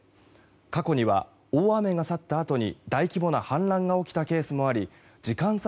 過去には大雨が去ったあとに大規模な氾濫が起きたケースもあり時間差